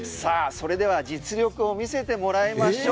それでは実力を見せてもらいましょう。